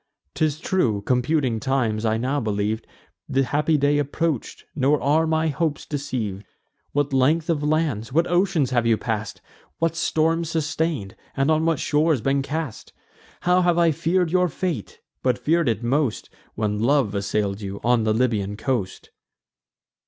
'Tis true, computing times, I now believ'd The happy day approach'd; nor are my hopes deceiv'd. What length of lands, what oceans have you pass'd; What storms sustain'd, and on what shores been cast? How have I fear'd your fate! but fear'd it most, When love assail'd you, on the Libyan coast."